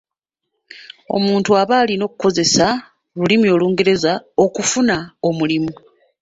Omuntu aba alina kukozesa lulimi Olungereza okufuna omulimu.